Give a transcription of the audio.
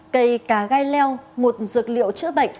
cây cá gai leo một dược liệu chữa bệnh